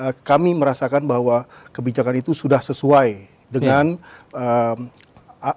saya rasa kami merasakan bahwa kebijakan bank indonesia yang terkait dengan bi red tetap di tujuh lima